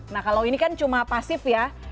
nah kalau ini kan cuma pasif ya